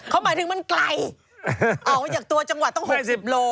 เขาหมายถึงมันไกลออกมาจากตัวจังหวัดต้อง๖๐โล